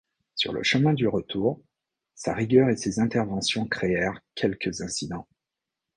Sur le chemin du retour, sa rigueur et ses interventions créèrent quelques incidents.